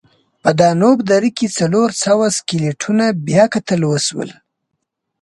په دانوب دره کې څلور سوه سکلیټونه بیاکتل وشول.